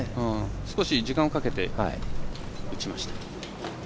少し時間をかけて打ちました。